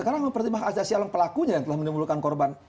sekarang mempertimbangkan ajasi orang pelakunya yang telah menimbulkan korban